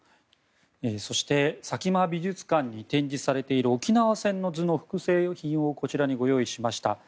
そして佐喜眞美術館に展示されている「沖縄戦の図」の複製をご用意しました。